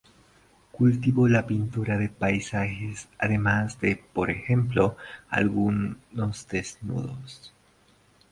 Cultivó la pintura de paisajes, además de, por ejemplo, algunos desnudos.